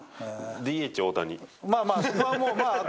ＤＨ、大谷。